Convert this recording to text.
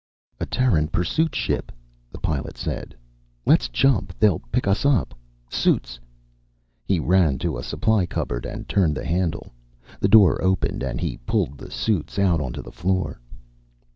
"A Terran pursuit ship," the Pilot said. "Let's jump. They'll pick us up. Suits " He ran to a supply cupboard and turned the handle. The door opened and he pulled the suits out onto the floor.